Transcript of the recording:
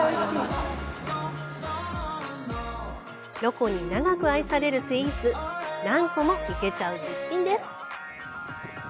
ロコに長く愛されるスイーツ何個もいけちゃう絶品です！